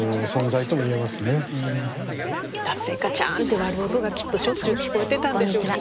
だってガチャンって割る音がきっとしょっちゅう聞こえてたんでしょうしね。